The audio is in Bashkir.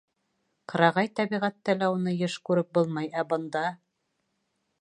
Ҡырағай тәбиғәттә лә уны йыш күреп булмай, ә бында...